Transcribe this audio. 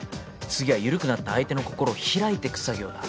次は緩くなった相手の心を開いてく作業だ。